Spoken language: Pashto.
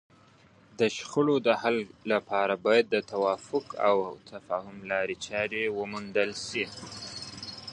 د شخړو د حل لپاره باید د توافق او تفاهم لارې چارې وموندل شي.